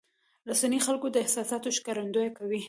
رسنۍ د خلکو د احساساتو ښکارندویي کوي.